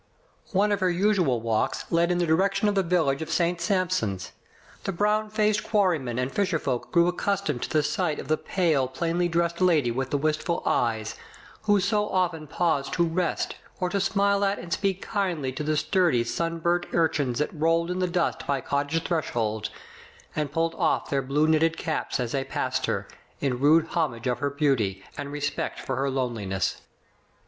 One of her usual walks led in the direction of the village of St. Sampson's. The brown faced quarrymen and fisher folk grew accustomed to the sight of the pale, plainly dressed lady with the wistful eyes, who so often paused to rest, or to smile at and speak kindly to the sturdy, sun burnt urchins that rolled in the dust by cottage thresholds, and pulled ofif their blue knitted caps as they passed her, in rude homage of her beauty, and respect for her loneliness.